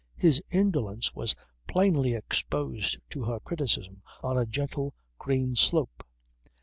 His indolence was plainly exposed to her criticism on a gentle green slope.